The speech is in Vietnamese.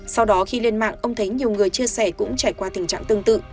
sau đó khi lên mạng ông thấy nhiều người chia sẻ cũng trải qua tình trạng tương tự